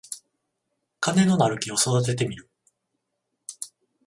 金のなる木を育ててみる